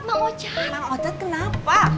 mam ocat kenapa